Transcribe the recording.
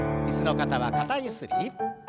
椅子の方は肩ゆすり。